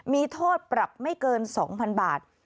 มีโทษปรับไม่เกิน๒๐๐๐บาท